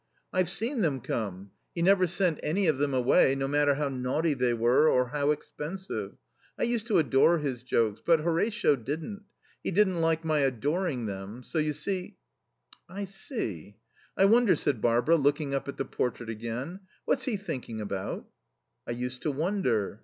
"I've seen them come. He never sent any of them away, no matter how naughty they were, or how expensive. I used to adore his jokes.... But Horatio didn't. He didn't like my adoring them, so you see " "I see. I wonder," said Barbara, looking up at the portrait again, "what he's thinking about?" "I used to wonder."